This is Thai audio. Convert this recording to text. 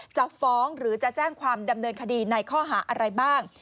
จะฟ้องหรือจะแจ้งความดำเนินคดีในข้อหาอะไรบ้าง